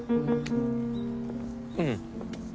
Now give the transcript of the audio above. うん。